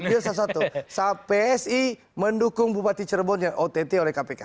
ya salah satu psi mendukung bupati cirebon yang ott oleh kpk